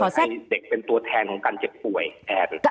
ให้เด็กเป็นตัวแทนของการเจ็บป่วยแอบ